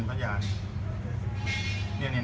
เนี่ยเนี่ยเนี่ย